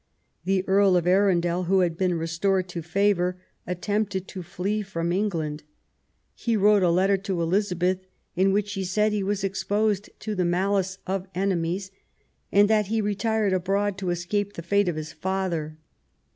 The Earl of Arundel, who had been restored to favour, attempted to flee from England. He wrote a letter to Elizabeth, in which he said he was exposed to the malice of enemies, and that he retired abroad to escape the fate of his father.